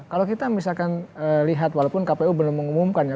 kalau kita misalkan lihat walaupun kpu belum mengumumkan ya